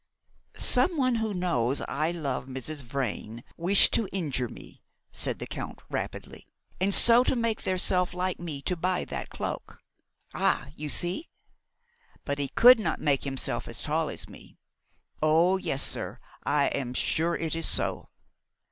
"Some one who knows I love Mrs. Vrain wish to injure me," said the Italian rapidly, "and so make theirself like me to buy that cloak. Ah! you see? But he could not make himself as tall as me. Oh, yes, sir, I am sure it is so."